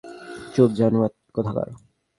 চুপ, জানোয়ার কোথাকার!